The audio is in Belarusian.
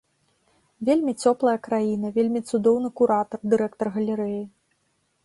Вельмі цёплая краіна, вельмі цудоўны куратар, дырэктар галерэі.